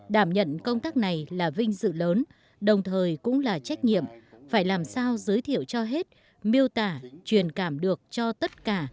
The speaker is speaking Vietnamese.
đảm nhận công tác này là vinh dự lớn đồng thời cũng là trách nhiệm phải làm sao giới thiệu cho hết miêu tả truyền cảm được cho tất cả